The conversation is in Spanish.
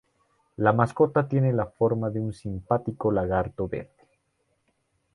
La mascota tiene la forma de un simpático lagarto verde.